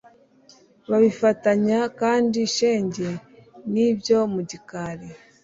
babifatanya kandi shenge n'ibyo mu gikari